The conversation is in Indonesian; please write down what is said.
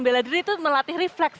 beladiri itu melatih refleks